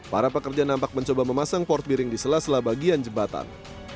para pekerja nampak mencoba memasang port piring di sela sela bagian jembatan